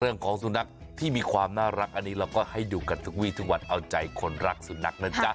เรื่องของสูนะที่มีความน่ารักเราก็ให้ดูกันทุกวิสวัตรเอาใจคนรักสูนะ